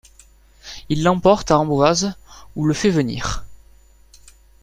Il l’emporte à Amboise où le fait venir.